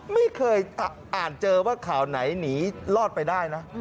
ไม่เคยอ่านเจอว่าข่าวไหนหนีรอดไปได้นะ